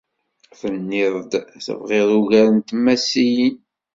Tenniḍ-d tebɣiḍ ugar n tmasiyin.